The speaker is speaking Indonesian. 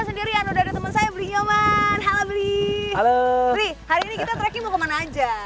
sendirian udah temen saya beli nyoman halo brie halo hari ini kita tracking kemana aja